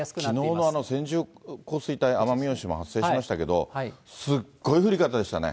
きのうの線状降水帯、奄美大島発生しましたけど、すっごい降り方でしたね。